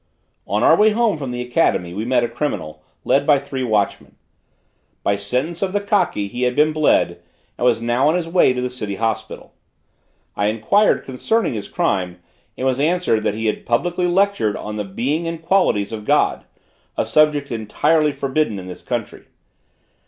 On our way home from the academy, we met a criminal, led by three watchmen. By sentence of the kaki, he had been bled, and was now on his way to the city hospital. I inquired concerning his crime, and was answered, that he had publicly lectured on the being and qualities of God a subject entirely forbidden in this country.